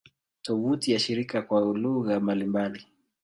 Tovuti ya shirika kwa lugha mbalimbali